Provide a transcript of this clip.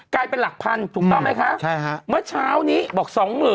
กลายเป็นหลักพันถูกต้องไหมคะเมื่อเช้านี้บอก๒๐๐๐